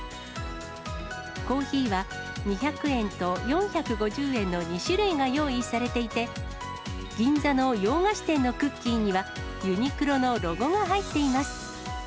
コーヒーは２００円と４５０円の２種類が用意されていて、銀座の洋菓子店のクッキーには、ユニクロのロゴも入っています。